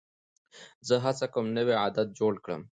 زه هڅه کوم نوی عادت جوړ کړم.